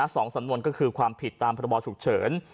สองสำนวนก็คือความผิดตามพระบอฉุกเฉิน